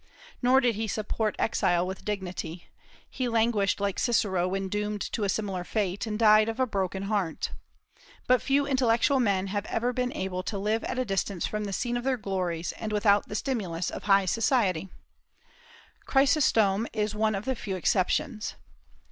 Nor did he support exile with dignity; he languished like Cicero when doomed to a similar fate, and died of a broken heart. But few intellectual men have ever been able to live at a distance from the scene of their glories, and without the stimulus of high society. Chrysostom is one of the few exceptions.